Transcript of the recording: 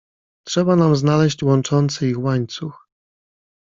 "Trzeba nam znaleźć łączący ich łańcuch."